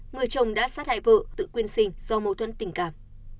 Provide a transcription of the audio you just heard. người chồng đã sát hại vợ tự quyên sinh do mâu thuẫn tình cảm